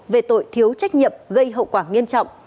về tội thiếu trách nhiệm gây hậu quả nghiêm trọng